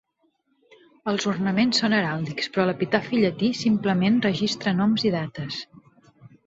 Els ornaments són heràldics, però l'epitafi llatí simplement registra noms i dates.